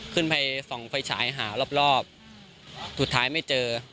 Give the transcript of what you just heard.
ไปส่องไฟฉายหารอบสุดท้ายไม่เจอ